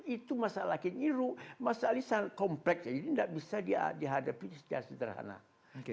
itu masalah kinyiru masalahnya sangat kompleks jadi tidak bisa dihadapi secara sederhana